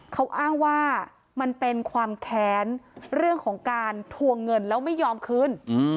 เขาอ้างว่ามันเป็นความแค้นเรื่องของการทวงเงินแล้วไม่ยอมคืน